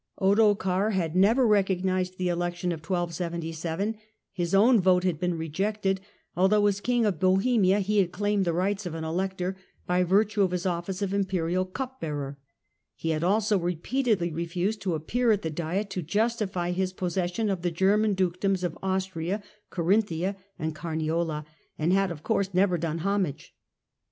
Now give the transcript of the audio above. Ottokar had never recognised the election of 1277 ; his own vote had been rejected, although as King of Bohemia he claimed the rights of an Elector, by virtue of his office of Imperial cupbearer ; he had also repeatedly refused to appear at the Diet to justify his possession of the Ger man Dukedoms of Austria, Carinthia and Carniola, and had of course never done homage.